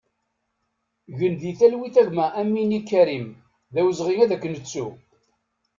Gen di talwit a gma Amini Karim, d awezɣi ad k-nettu!